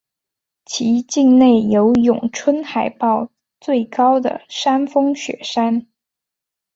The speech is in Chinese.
其境内有永春海报最高的山峰雪山。